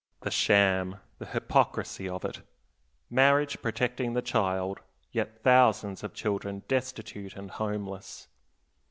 The sham, the hypocrisy of it! Marriage protecting the child, yet thousands of children destitute and homeless.